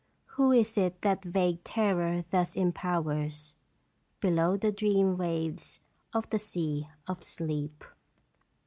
Who is it that vague terror thus empowers Below the dream waves of the sea of Sleep?